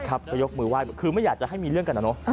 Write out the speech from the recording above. ก็ยกมือไหว้คือไม่อยากจะให้มีเรื่องกันนะเนอะ